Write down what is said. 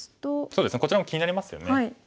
そうですねこちらも気になりますよね。